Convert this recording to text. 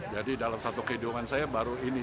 jadi dalam satu kehidupan saya baru ini